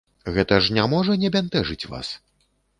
Гэта ж не можа не бянтэжыць вас?